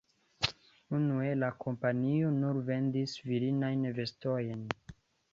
Unue la kompanio nur vendis virinajn vestojn.